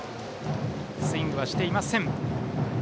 スイングしていません。